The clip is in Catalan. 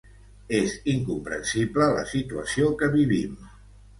És incomprensible la situació que vivim.